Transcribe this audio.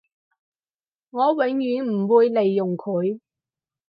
我永遠唔會利用佢